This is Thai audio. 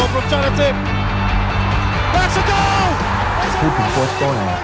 พี่พี่พี่พูดถึงโค้ชโก้หน่อยนะ